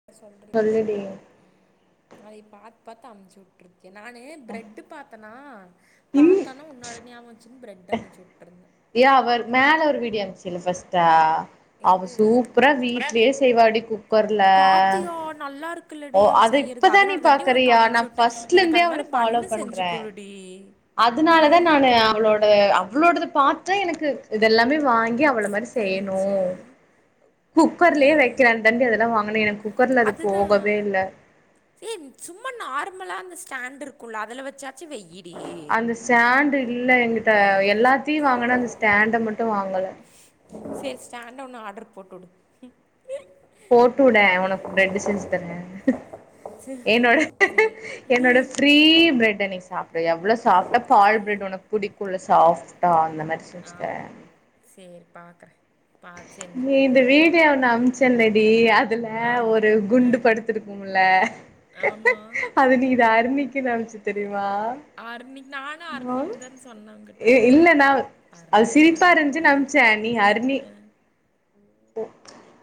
என்ன சொல்றது சொல்லுடி உம் அதை ப்பாத்து பார்த்து அமுச்சி விட்ருக்கு நானு பிரெட்டு பார்த்த பத்தனா பார்த்தோனா உன்னோட ஞாபகம் வந் பிரெட் அமுச்சி விட்டுருது யா அவ மேல ஒரு வீடிய அமைச்சுல்ல ப்பஸ்ட்டா அவ எது சூப்பரா அப்புறம் வீட்லயே செய்வாடி குக்கர்ல பாத்தியா நல்லா ஓ இருக்குல்லடி அவ அத செய்யறது இப்பதான் நீ அதனால தாண்டி உனக்கு பாக்கறியா அமுச்சு நான் விட்டே பஃபர்ஸ்ட்ல எனக்கு இருந்தே அந்த அவள மாரி ஃபாலோ பன்னு செஞ்சு பண்றேன் குடுடி ஆ அதனாலதான் நான் அவளோட அவளோட பார்த்தா எனக்கு இதெல்லாமே வாங்கி அவ்வளவு மாதிரி தெரிஞ்சா செய்யணும் குக்கர்லயே வைக்கிற தாண்டி அதெல்லாம் வாங்கின எனக்கு குக்கர்ல அது அதுதான் போகவே இல்ல சரி சும்மா நார்மலா அந்த ஸ்டாண்ட் இருக்கு அதுல வச்சாச்சு வெயிட்டு அந்த ஸ்டாண்டு் இல்ல எங்கிட்ட எல்லாத்தையும் வாங்கனா அந்த ஸ்டாண்ட மட்டும் மட்டும்வாங்கள சரி ஸ்டாண்ஒன்னு ஆர்டர் போட்டு விடு போட்டு விடே உனக்கு பிரெட் செஞ்சு தரே என்னோட சேரி என்னோட ஃப்ரீ பிரெட்ட நீ சாப்டு எவ்ளோ சாஃப்டா பால் ஃப்ரீ பிரெட் உனக்கு புடிக்குள்ள சாஃப்டா அந்த மாரி செஞ்சு தரே பாக்கறே நீ இந்த வீடியோ ஒன்ன அனுப்ச்சல்ல [unintelligible] அதுல ஆமா ஒரு ஆ குண்டு படுத்திருக்கும்ல ஆமா அது நீ இத அருணி [unintelligible] தெரியுமா நானு ஆ அர்ணிந்தான சொன்ன உங்கிட்ட ஏ இல்ல நா அது அர்ணிடி சிரிப்பா அப்டின் ஆ இருந்துச்சுன்னு ஆ ஒ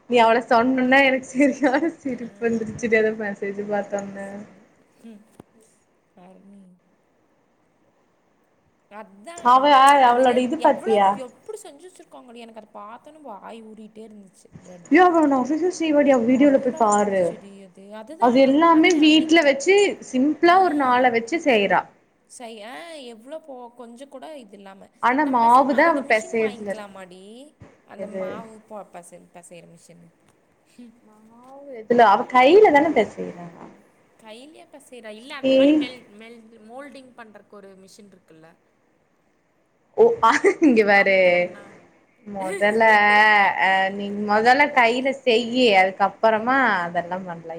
நீ அவள சொன்னவுன்னே எனக் செரியான சிரிப்பு வந்துருச்சுடி அந்த மெசேஜ பாத்தவுன்னே அர்ணி அதா அவ அந்த அவளோட இது பாத்தியா எவ்ளவு எப்புடி செஞ்சு வச்சிருக் கோங்கனி எனக்கு அத பாத்தவுன்னே வாய் ஊறி யோ அவ [unintelligible] வீடியோல போய் நல்லா பாரு இருந்துச்சுடி அது அது அதுதான் நான் எல்லாமே பார்த்தேன் வீட்ல அன்னைக்கும் வச்சு சிம்பிளா ஒரு ஆ நால வச்சு செய்றா ஓ கொஞ்ச கூட இ து இல்லாம நாம பேசாம மாவுதா அந்த அவ மிஷின் பெசையறதுல இருக்கு வாங்கிக்கலாமாடி அந்த எது மாவு பொ பெசயற பெசயற மிஷின் எனக் ம்ஹும் ஆ எதுல அவ கையிலதான பெசையறா டெய்லி அப் பெசையறா இல்ல அந்த மாரி ஏய் மெல் மெல் [unintelligible] மோல்டிங் பண்றக்கு ஒரு மிஷின் இருக்குல்ல ஒ இங்க பாரு அமுத்துனோம்னா மொதல்ல அஹ் நீ மொதல்ல கையில செய்யி அதுக்கப்பறமா அதெல்லா பண்லா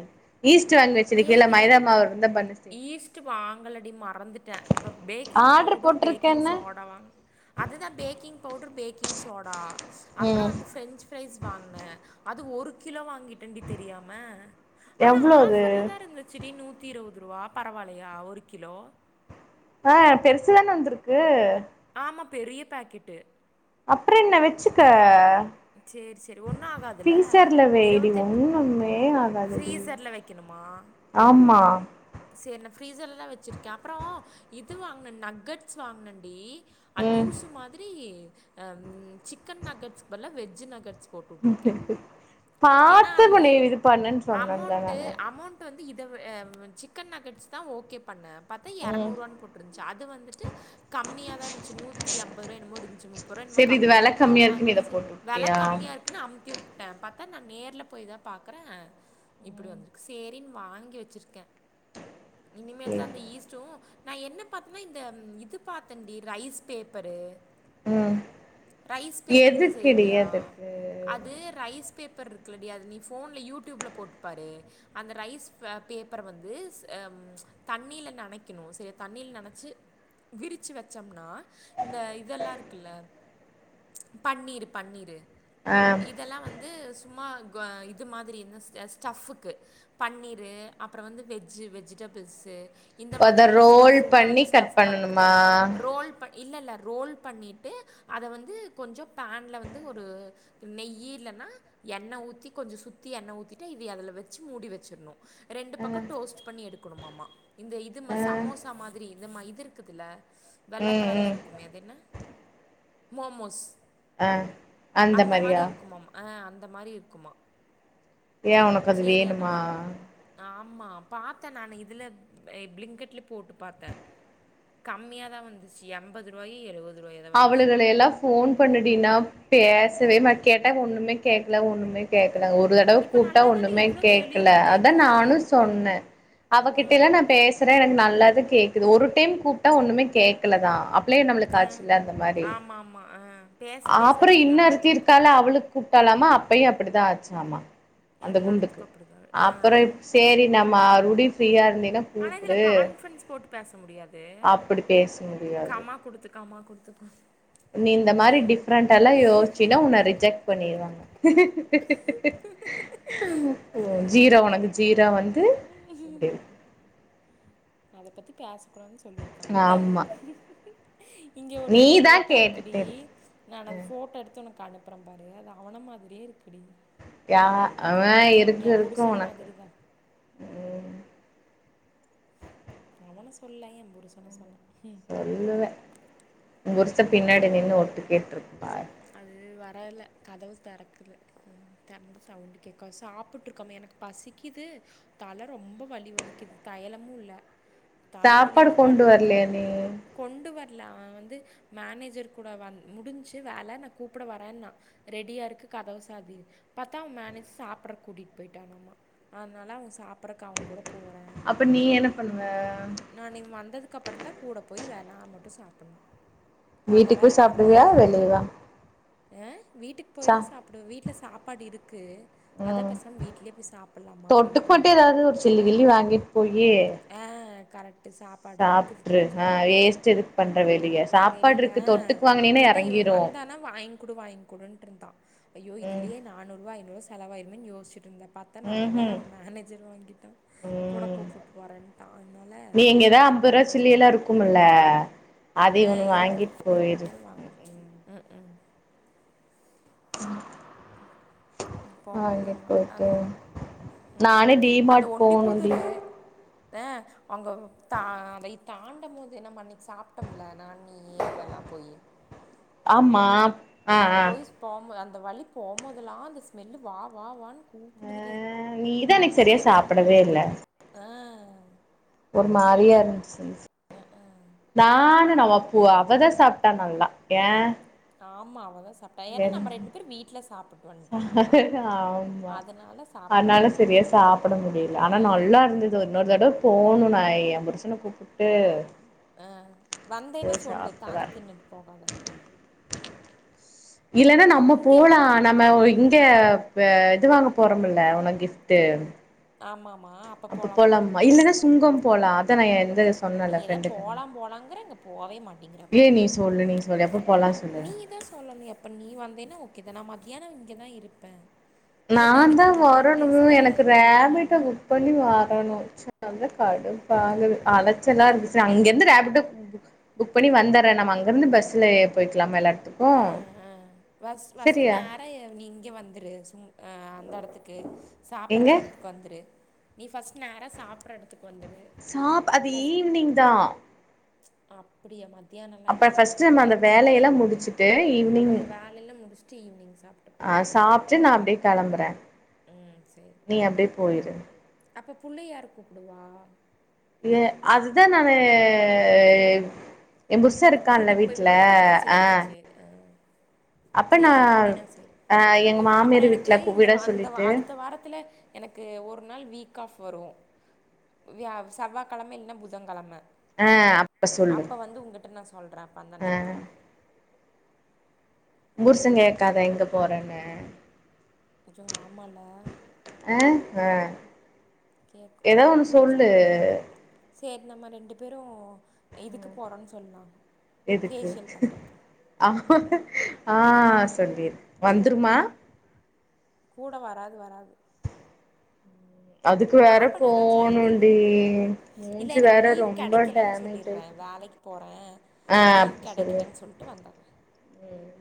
ஈஸ்ட் வாங்கி வச்சிருக்கயில்ல மைதா மாவு இருந்தா பன்னு செய் ங்கலடி ம றந்துட்டே இப்ப பேக்கிங் ஆர்டர் பவுடரு பேக்கிங் போட்டிருக்கேன்ன சோடா வாங்குனே அதுதா baking powder baking soda அப்றோ ம் அந்த ஃபிரெஞ்ச் ஃபிரைஸ் வாங்குனே அது ஒரு கிலோ வாங்கிட்டண்டி தெரியாம எவ்ளவு த்தி இருவது ரூவா பரவால்லயா ஒரு கிலோ ஆஹ் பெருசுதான வந்துருக்கு ஆமா பெரிய பாக்கெட்டு அப்பற என்ன வச்சுக்க செரி செரி ஒன்னோ ஆகாதுல ஃப்ரீசர்ல வைடி இருவத்தெட்டு ஒண்ணுமே ஆகாதுடி ஃப்ரீசர்ல வெக்கணுமா ஆமா செரி நான் ஃப்ரீசர்லதான் வெச்சிருக்கேன் அப்றோ இது வாங்கினன் நக்கட்ஸ் வாங்கனன்டி அ ம் லூஸ் மாரி அஹ்ம் சிக்கன் நகட்ஸ் பத்ல்லா வெஜ் நகட்ஸ் பாத்து அதுல பன்னு சு இது பண்ணுன்னு சொன்னன்ங்க அமௌண்ட்டு நானு அமௌண்ட் வந்து இத வே ஆஹ் சிக் கன் நக்கட்ஸ் தான் ஓகே பண்ணேன் க்க பாத்தா ம் எரநூறுவா போட்ருன்ச்சு அது வந்துட்டு கம்மியாதான் இருந்துச்சு நூத்தி அம்பது ரூ என்னமோ இருஞ்ச்சி முப்பதோ செரி இது என்னமோ வெல கம்மியா இருக்குன்னு இத போட்டு வெல வுட்டியா கம்மியா இருக்குனு அம்திவுட்டேன் பாத் அதான் நான் நேர்ல போய் தான் பாக்குறேன் இப்படி வந்திருக்கு செரின்னு வாங்கி வச்சிருக்கேன் இனிமேல் தான் அந்த ஈஸ்ட்டும் நான் என்ன பாத்தேன்னா இந்த இது பாத்தேன்டி ரைஸ் பேப்பரு ம் ரைஸ் பேப்பர் நீ எதுக்குடி செய்வியா எதுக்கு அது ரைஸ் பேப்பர் இருக்குலடி அது நீ போன்ல யூ டியூப்ல போட்டுப்பாரு அந்த ரைஸ் பேப்பர் வந்து ஸ் ஆஹ் தண்ணில நனைக்கணும் சரி தண்ணில நனச்சி விரிச்சி வச்சோம்னா இந்த இதெல்லாம் இருக்குல்ல பன்னீர் பன்னீர் ஆ இதெல்லாம் வந்து சும்மா இதுமாதிரி ஸ்டஃப்க்கு பன்னீரு அப்ரோ வெஜ் வெ வெஜிடபிள்ஸ்சு இந்த அத மாதிரில்லாம் ரோல் ஸ்டப் உள்ள பண்ணி வந்து கட் ஸ்டப் பண்றது பண்ணணுமா ரோல் ப இல்ல இல்ல ரோல் பண்ணிட்டு அத வந்து கொஞ்சம் பேன்ல வந்து ஒரு நெய் இல்லன்னா எண்ண ஊத்தி கொஞ்சம் சுத்தி எண்ண ஊத்திட்டு இது அதுல வச்சு மூடி வச்சிடணும் ரெண்டு பக்க டோஸ்ட் பண்ணி எடுக்கணுமாமா இந்த இது ஆ சமோசா மாதிரி இ இது இருக்குதுல்ல ம் வெள்ளக்கலர்ல ம் இருக்குமே அது என்ன மோமோஸ் அஹ் அந்த மாரி மாரியா இருக்குமாம் ஆ அந்த மாரி இருக்குமா ஏன் உனக்கு அது வேணுமா பாத்தேன் நானு இதுல பிளிங்கெட்ல போட்டு பாத்தேன் கம்மியா தான் வந்துச்சு என்பது ரூபாய் எழுபது அவளுக யெல்லாம் போன் பண்ணுடினா பேச சமா கேட்டா ஒண்ணுமே கேட்கல ஒண்ணுமே கேட்கல ஒரு தடவ இப்ப கூப்டா நல்லா தானே ஒண்ணுமே இவ்ளோ கேட்கல தெளிவா அதா கேக்குது நானும் சொன்னேன் அவகிட்டல்ல நான் பேசுறேன் எனக்கு நல்லா தான் கேக் ஒரு டைம் கூப்ட்டா ஒண்ணுமே கேக்கல தான் கே நம்மளுக்கு ஆ ஆச்சு ஆமா ஆமா ஆஹ் அப்றொ இன்னருத்தி இருக்கால்ல அவளுக்கு கூப்ட்டால் லாம அப்பையு அப்புடிதா ஆச்சாமா அந்த குண்டுக்கு எல்லாத்துக்கு அப்டிதா ஆ அப்பறொ சேரி நம்ம அறுடி ஃப்ரீயா இரு ஆனா இதுல கான்ஃப்ரன்ஸ் போட்டு பேச முடியாது அப்டி பேச முடியாது கமா குடுத்து கமா குடுத்துக்கு நீ இந்த மாரி டிஃப்ரெண்ட்டால்லா யோசிச்சினா உன்ன ரிஜெக்ட் பண்ணிருவாங்க ஓ சேரி ஜீரொ விடு உனக்கு ஜீரா வந்து இத பத்தி பேச குடாதுன் சொல்லிருக்காங்கல்ல ஆமா இங்க ஒரு நீதா ஃபோட்டோ இருக்குடி கேட்டுட்டு இருக்க நான் அத ஃபோட்டோ எடுத்து உனக் ப அனுப்புற பாரு அது அவன மாதிரியே இருக் யா அவெ இருக்கு என் இருக்கு புருஷன் ஒனக்கு மாதிரி தான் உம் அவன சொல்ல எம் புருஷன சொன்னே சொல்லுவெ உம் புருச பின்னாடி நின்னு ஒட்டு கேட்ருப்பார் அது வரல கதவு தெறக்கல தெறந்த சவுண்டு கேக்கு அது சாப்புட்ருக்காமா எனக்கு பசிக்கிது தல ரொம்ப வலி வலிக்கிது தயலமு இல்ல சாப்பாடு தலவலியோட கொண்டு உக்கான்ட்ருக்கே வரலையா நீ கொண்டு வ ட்லா வந்து மேனேஜர் கூட வந் முடுன்ச்சு வேல நா கூப்புட வரேன்னா ரெடியா இருக்கு கதவு சாத்தி பத்தா மேனேஜர் சாப்புர கூட்டிட் போய்டாரமா அனால ‌அவுங்க சாப்புரக் அவுங்க கூட போறே அப்ப நீ என்ன பண்ணுவ நா நீங் வந்ததுக்கப்றந் தா கூட போய் வே நா மட்டு சாப்புண்ணு வீட்டுக்கு போய் சாப்டுவியா வெளியவா ஆ வீட்டுக்கு சா போய்தா சாப்டுவெ வீட்ல சாப்பாடு இருக்கு அத ம் பெசாம வீட்லயே போய் சாப்புல்லாமா அப்டின் தொட்டுக்கு மட்டு தோணுது ஏதாவது ஒரு சில்லு கில்லி வாங்கிட்டு போயி ஆ கரெட் சாப்ட்ரு ஆ வேஸ்ட் எதுக்கு பண்ற வெளிய சாப்பாடு இருக்கு தொட்டுக் வாங்குனினா எறங்கிரு த ஆனா வாங்குடு வாங்குடுன்ட்ருந்தா ஐயோ ம் இதுலயே நானூறுவாயி ருவா செலவாயிருமென் யோசிச்சுட்ருந்த பாத்தா நல்ல வேல ம்ஹும் அவ மேனேஜர் வாங்கிட்டா கூட ம் கூப்புட்‌போறேன்ட்டா அதனால நீ எங்கதா அந்த காச அம்பது ரூவா வச்சு சில்லி எல்லா இருக்குமுல்ல அது ஆ ஒன்னு இருக்கு வாங்கிட்டு இருக்கு போயிரு போகும்பொது வா உம் உம் போமொது ஒண்ணுவா போயிட்டு அந் உம் உம் நானு அந்த டிமார்ட் போணுண்டி ஒண்டிப்புதூரு அ அங்க தா அதை தாண்டம்மோது நம்ம அன்னைக் சாப்ட்டம்ல நா நீயி இதெல்லா போயி ஆமா ஆ ஆ போய்ஸ் போமு அந் அந்த வழி போகும்போதெல்லாம் அந்த ஸ்மெல்லு வா வாவான்னு ஆ கூப்பிடுதுடி நீதா இன்னைக்கு அப்படி சரியா ஒரு ஸ்மெல்லு சாப்டவே இல்ல ஆஹ் ஆஹ ஒரு மாரியாக இருந்துச்சு ஆஹ நானு நம்ம பூ அவதான் சாப்பிட்டா நல்லா ஏன் ஆமா அவதா சாப்பட்டா ஏா நம்ம ரெண்டு பேரும் வீட்ல சாப்படு [unintelligible] ஆமா சாப்ட அதுனால முடில சரியா சாப்பிட முடியல ஆனா ஆ நல்லா இருந்தது இன்னொரு தடவை போணும் நா எம் புருசன கூப்புட்டு அஹ் வந்தேன்னா சொல்லு தானா வரே தின்னுட்டு போகாத இல்லன்னா நம்ம இங்கே போலாம் கூப்பிட்டு நம்ம வாடி இங்க வெ இது வாங்க போறம்ல உன கிஃப்ட் ஆமமா அப்ப போலாமா போலாம் அத நான் எந்த நீங்கதா போலா போலாங்கிற போவே மாட்டேங்கிற ஏ அப்பறோம் நீ சொல்லு நீ சொல்லு எப்ப போலா சொல்லு நீதான் சொல்லனு எப்பனு நீ வந்தேன்னா ஓகேதா நா மத் ஏன்னா இங்க தா இருப்பேன் இல்லைன்னா நான் எனக்கு தான் இந்த வீக் வரணும் டேஸில் எனக்கு ஏதோ ஒரு நாள் ரேபிட்டோ லீவ் புக் பண்ணி வரணும் ச்ச வந்த கடுப்பாகுது அலச்சலா இருக்கு சரி அங்கிருந்து ரேபிட்டோ புக் புக் பண்ணி வந்துறேன் நம்ம அங்கிருந்து பஸ்ல போயிக்கலாம எல்லா எடத்துக்கு அஹ் ஆஹ் வஸ் வஸ் சரியா நேரா நீ இங்க வந்துரு சும் ஆ அந்த எடத்துக்கு எங்க சாப்பறக்கு எடத்துக்கு வந்துரு நீஃபஸ்ட் நேர சாப்பிடற இடத்துக் சாப் அது ஈவினிங் தான் அப்படிய மா அப்ப ஃபஸ்ட் நம்ம அந்த வேலையெல்லாம் முடிச்சு டு அப்போ ஈவினிங் அந்த வேலையெல்லாம் முடிச்சுட்டு ஈவினிங் சாப்பிட்டுப்போம் ஆஹ சாப்பிட்டு நான் அப்படியே கிளம்புறேன் ம் நீ அப்படியே போயிரு புள்ளையார் கூப்பிடுவா ஏ அதுதான் நானு எ புருச இருக்கான்ல கூட்டிட்டு போய் வீட்ல விட்டுருவியா சேரி ஆ சேரி ஹ் அப்ப நா சேரி அப்படின்னா சேரி ஆ எங்க அப்ப மாமியார் வீட்ல எனக்கு இந்த விட வ அந்த வ சொல்லிட்டு அடுத்த வாரத்துல எனக்கு ஒரு நாள் வீக் ஆப் வரும் வியா செவ்வாய்கிழமை இல்லன்னா புதன்கிழமை ஆஹ் அப்ப சொல்லு [unintelligible] [unintelligible] ஆ வந்தன்னைக் போலா புருச கேக்காத எங்க போறன்னு அச்சோ ஆமால்ல ஆ ஆ ஏதோ ஒன்னு என்ன சொல்லு சொல்றது சேரி நம்ம ரெண்டு பேரு இதுக்கு போறோன்னு சொல்லா எதுக்கு ஃபேஷியல் பண்றக்கு ஆ ஆ சொல்வீர் வந் துருமா கூட வராது வராது அதுக்கு வேற பாப்போனு எதாச்சு ஐடியா போணும்டி [unintelligible] இல்ல மூஞ்சி எனக்கு வேற லீவ் ரொம்ப கெடைக்கலன் டேமேஜ் சொல்லிர்றே ஆயிட்டு வேலைக்கு போற ஆ லீவ் அப்டி சொல்லிரு கெடைக்கலன் சொல்ட்டு வந்துட்ற ம்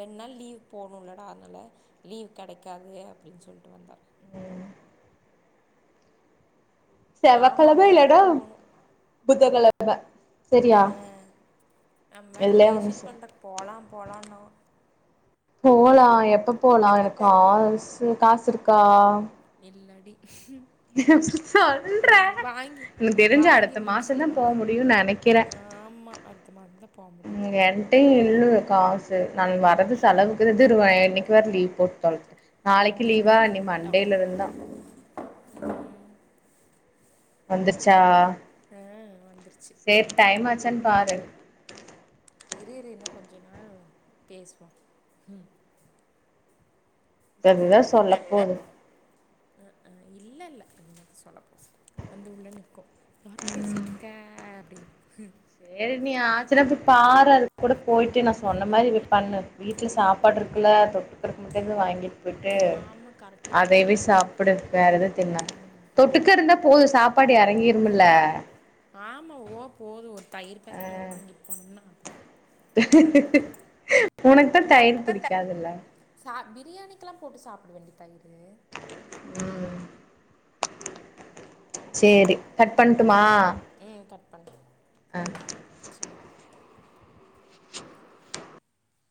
ரெண் நாள் லீவ் போட்ணோலடா அதனால லீவ் கெடைக்காது அப்டின் சொல்ட்டு வந்துர்ற ம் ஆமா செவக்கெள தா அங்க வேற இல்லடோ போணு புத்தகள அங்க ஹ நம் வேற எதுலயா ஒன்னு ஃபேஷியல் சொல்லு பண்றப் போலாம் போலா என்னவோ போலா எப் ப போலா எனக்கு போ காசு காசுருக்கா இல்லடி சொல்ற வாங்கி எனக்கு தெரிஞ்சி வாங்கி அடுத்த முடிச்சுட்டு மாசந்தா போ வேணா முடியு நெனைக்கிற ஆமா அடுத்த மாதந்தா போ முடியு [unintelligible] டே இல்ல காசு நாளை வரது செலவுக்கு [unintelligible] இன்னிக்கு வேற லீவ் போட்டு தொலச்சிட்ட நாளைக்கி லீவா இனி வந்துட்டா மண்டேல இருந்தா வந்துருச்சா ஆ வந்துருச்சு சேரி டைமாச்சான் பாரு இரு இரு இன்னு கொஞ்ச நேரோ பேசுவோ ம் அதுதா சொல்ல போது அ ஆ இல்ல இல்ல [inaudible] சொல்லப்போது வந்து உள்ள நிக்கு வாட் ம் பேசிட்ருக்க அப்டின் உ சேரி நீ [unintelligible] பாரு அது கூட போயிட் நா சொன்ன மாரி இல்ல போய் பண்ணு இல்ல வீட்ல சாப்பாடு இருக்கு இல்ல தொட்டுக்கிறக்க மட்டு எதா வாங்கிட்டு போய்ட்டு ஆமா கரெக்ட்டு தா அதயவே சாப்டு வேற எது தின்ன தொட்டுக்க இருந்த போ போது சாப்பாடு எறங்கிரும்ல ஆமா ஓ போதும் தயிர் ஆ பேக்கெட் ஒன்னு வாங்கிட் போணும்னா [unintelligible] உனக்கு தா தயிர் புடிக்காதுல்ல பிரியாணிக்கெலா போட்டு சாப்டவேண்டி தயிரு ம் சேரி கட் பண்ட்டுமா சேரி [inaudible] ஆ சேரி